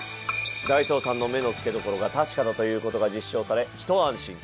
ダイソーさんの目の付け所が確かだという事が実証されひと安心。